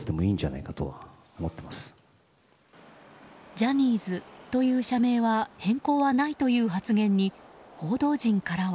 ジャニーズという社名は変更はないという発言に報道陣からは。